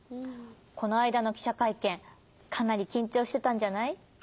このあいだのきしゃかいけんかなりきんちょうしてたんじゃない？